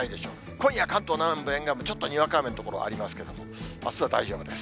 今夜、関東南部、沿岸部、ちょっとにわか雨の所ありますけども、あすは大丈夫です。